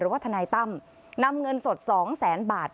หรือว่าทนายตั้มนำเงินสด๒๐๐๐๐๐บาท